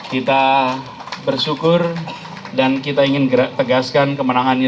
kita bersyukur dan kita ingin tegaskan kemenangan ini